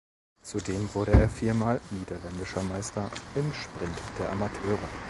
Zudem wurde er viermal niederländischer Meister im Sprint der Amateure.